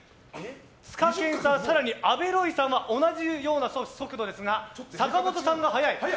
ツカケンさん、阿部ロイさんは同じような速度ですが坂本さんが早い。